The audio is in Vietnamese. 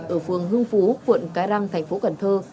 ở phường hưng phú quận cái răng thành phố cần thơ